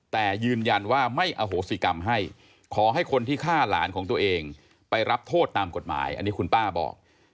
แต่ยืนยันว่าไม่อโหสิกรรมให้ขอให้คนที่ฆ่าหลานของตัวเองไปรับโทษตามกฎหมายอันนี้คุณป้าบอก